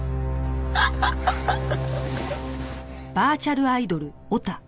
ハハハハ。